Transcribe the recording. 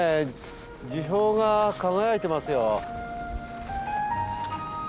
樹氷が輝いてますよ。